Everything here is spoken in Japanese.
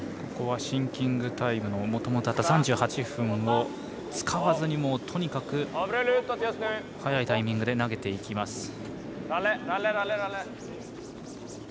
ここはシンキングタイムのもともとあった３８分を使わずにとにかく早いタイミングで投げていきます。